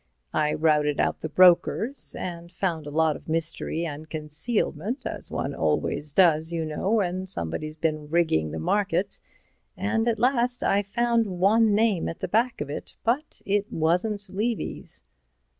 I routed out the brokers, and found a lot of mystery and concealment, as one always does, you know, when somebody's been rigging the market, and at last I found one name at the back of it. But it wasn't Levy's."